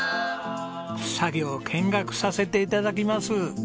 作業を見学させて頂きます。